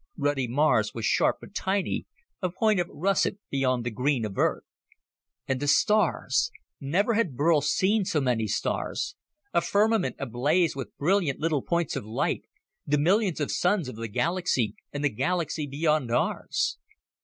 Ruddy Mars was sharp but tiny, a point of russet beyond the green of Earth. And the stars never had Burl seen so many stars a firmament ablaze with brilliant little points of light the millions of suns of the galaxy and the galaxies beyond ours.